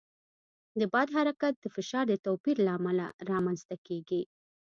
د باد حرکت د فشار د توپیر له امله رامنځته کېږي.